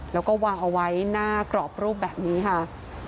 แล้วก็วางเอาไว้หน้ากรอบรูปแบบนี้ค่ะ